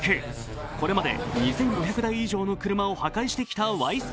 これまで２５００台以上の車を破壊してきた「ワイスピ」。